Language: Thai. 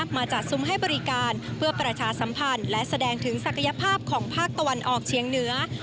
มาจัดซุ้มให้บริการเพื่อประชาสัมพันธ์และแสดงถึงศักยภาพของภาคตะวันออกเชียงเหนือ